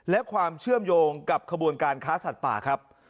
และความเชื่อมโยงกับขบวนการค้าสัตว์ป่าครับ